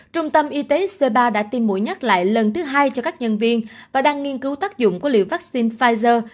trung tâm y tế c ba đã tiêm mũi nhắc lại lần thứ hai cho các nhân viên và đang nghiên cứu tác dụng của liều vaccine pfizer